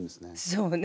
そうね。